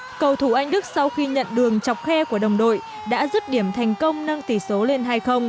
đồng như vậy ở phút năm mươi chín cầu thủ anh đức sau khi nhận đường chọc khe của đồng đội đã giúp điểm thành công nâng tỷ số lên hai